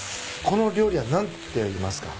この料理は何ていいますか？